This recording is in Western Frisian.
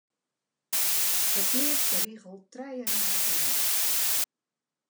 Ferpleats de rigel trije rigels omheech.